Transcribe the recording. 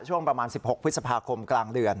ช่วงประมาณ๑๖พฤษภาคมกลางเดือน